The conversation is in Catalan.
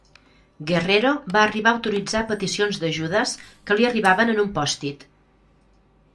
Guerrero va arribar a autoritzar peticions d'ajudes que li arribaven en un post-it.